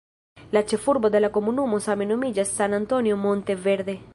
La ĉefurbo de la komunumo same nomiĝas "San Antonio Monte Verde".